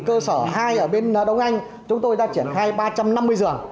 cơ sở hai ở bên đông anh chúng tôi đã triển khai ba trăm năm mươi giường